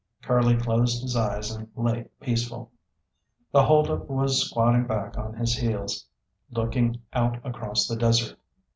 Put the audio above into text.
Curly closed his eyes and lay peaceful. The hold up was squatting back on his heels, looking out across the desert.